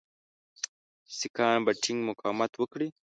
سیکهان به ټینګ مقاومت وکړي.